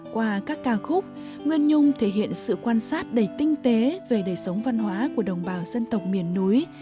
qua các ca khúc nguyên nhung thể hiện sự quan sát đầy tinh tế về đời sống văn hóa của đồng bào dân tộc miền núi